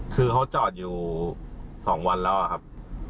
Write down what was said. คือเขาจอดอยู่๒วันแล้วครับ